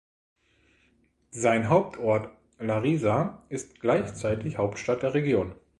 Sein Hauptort Larisa ist gleichzeitig Hauptstadt der Region.